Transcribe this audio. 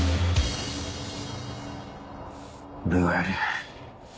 俺がやる。